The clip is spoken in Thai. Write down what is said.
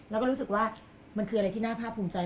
แล้วก็รู้สึกว่ามันคืออะไรที่น่าภาพภูมิใจ